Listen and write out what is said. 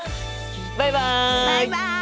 バイバイ！